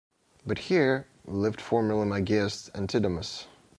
But here lived formerly my guest Antidamas.